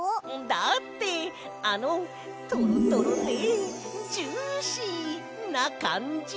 だってあのトロトロでジューシーなかんじ！